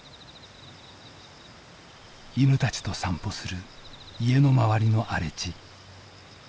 犬たちと散歩する家の周りの荒れ地。